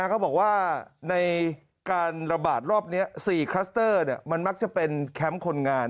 เขาบอกว่าในการระบาดรอบนี้๔คลัสเตอร์มันมักจะเป็นแคมป์คนงาน